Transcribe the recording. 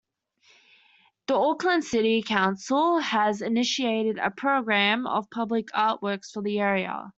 The Auckland City Council has initiated a programme of public artworks for the area.